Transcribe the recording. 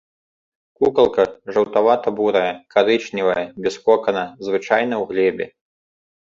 Кукалка жаўтавата-бурая, карычневая, без кокана, звычайна ў глебе.